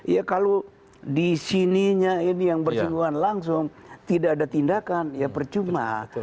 ya kalau di sininya ini yang bersinggungan langsung tidak ada tindakan ya percuma